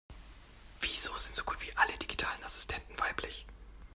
Wieso sind so gut wie alle digitalen Assistenten weiblich?